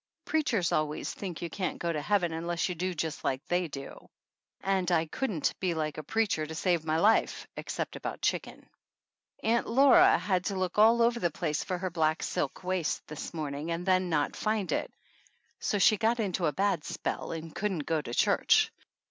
Preachers always think you can't go to Heaven unless you do just like they do, and I 60 THE ANNALS OF ANN couldn't be like a preacher to save my life, ex cept about chicken. Aunt Laura had to look all over the place for her black silk waist this morning and then not find it, so she got into a bad spell and couldn't go to church.